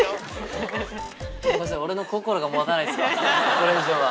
これ以上は。